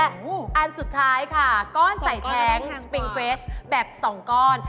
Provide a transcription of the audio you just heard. อันสุดท้ายค่ะก้อนใส่แท้งสปิงเฟชแบบ๒ก้อน